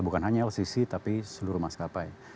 bukan hanya al sisi tapi seluruh mas kapai